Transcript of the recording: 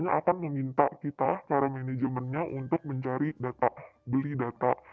jadi atasan atasan itu biasanya akan meminta kita para manajemen untuk mencari data beli data